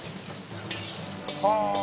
はあ！